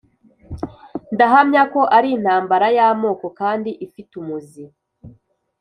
ndahamya ko ari intambara y’amoko, kandi ifite umuzi